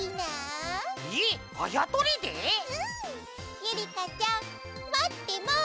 ゆりかちゃんまってます！